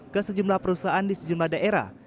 ke sejumlah perusahaan di sejumlah daerah